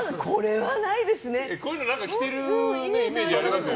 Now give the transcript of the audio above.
こういうの着てるイメージありますよね。